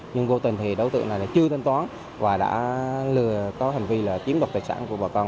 nhưng vô tình thì đối tượng này chưa thanh toán và đã lừa có hành vi là chiếm đoạt tài sản của bà con